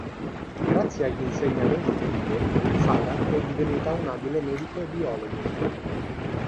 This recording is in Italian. Grazie agli insegnamenti di Ivo, Sara è divenuta un abile medico e biologo.